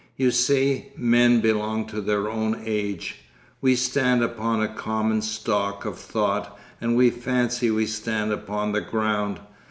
'You see, men belong to their own age; we stand upon a common stock of thought and we fancy we stand upon the ground.